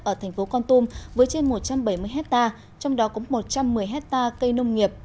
ở thành phố con tum với trên một trăm bảy mươi hectare trong đó có một trăm một mươi hectare cây nông nghiệp